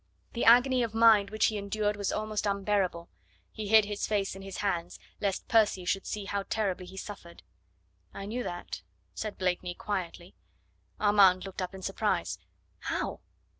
The agony of mind which he endured was almost unbearable; he hid his face in his hands lest Percy should see how terribly he suffered. "I knew that," said Blakeney quietly. Armand looked up in surprise. "How?